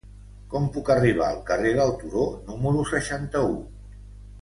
Com puc arribar al carrer del Turó número seixanta-u?